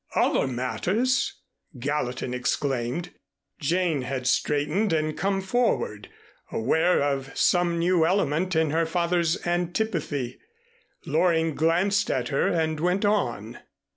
"Other matters!" Gallatin exclaimed. Jane had straightened and came forward, aware of some new element in her father's antipathy. Loring glanced at her and went on.